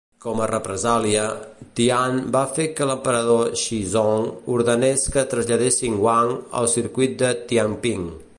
Com a represàlia, Tian va fer que l'emperador Xizong ordenés que traslladessin Wang al circuit de Tianping.